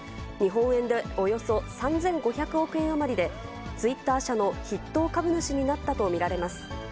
日本円でおよそ３５００億円余りで、ツイッター社の筆頭株主になったと見られます。